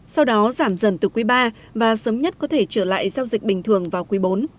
sau đó giảm dần từ quý iii và sớm nhất có thể trở lại giao dịch bình thường vào quý bốn